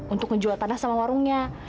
untuk menjual tanah sama warungnya